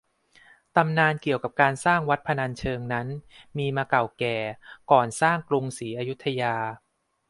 ตำนานเกี่ยวกับการสร้างวัดพนัญเชิงนั้นมีมาเก่าแก่ก่อนสร้างกรุงศรีอยุธยา